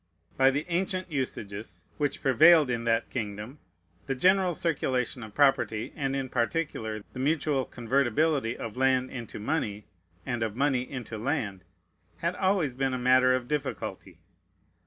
By the ancient usages which prevailed in that kingdom, the general circulation of property, and in particular the mutual convertibility of land into money and of money into land, had always been a matter of difficulty.